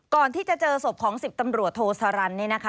ก่อนที่จะเจอศพของสิบตำลวดโทศรรันดร์นี่นะคะ